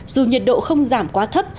dù nhiệt độ không giảm quá thấp